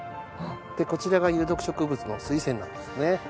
でこちらが有毒植物のスイセンなんですね。